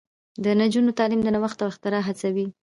د نجونو تعلیم د نوښت او اختراع هڅوي.